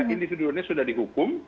individu duanya sudah dihukum